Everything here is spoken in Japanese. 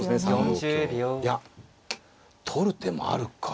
３五香いや取る手もあるか。